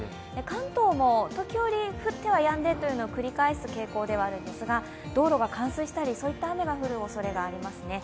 関東も時折、降ってはやんでというのを繰り返す傾向ではあるのですが、道路が冠水したり、そういった雨が降るおそれがあります。